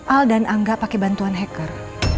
al dan angga pakai bantuan hacker